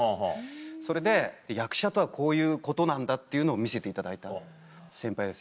それで役者とはこういうことなんだというのを見せていただいた先輩ですね。